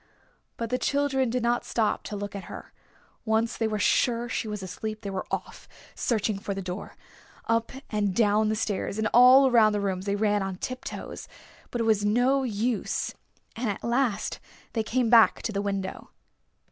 But the children did not stop to look at her. Once they were sure she was asleep they were off searching for the door. Up and down the stairs and all around the rooms they ran on tiptoes. But it was no use, and at last they came back to the window.